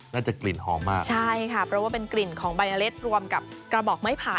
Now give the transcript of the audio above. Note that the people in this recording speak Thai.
กลิ่นหอมมากใช่ค่ะเพราะว่าเป็นกลิ่นของใบเมล็ดรวมกับกระบอกไม้ไผ่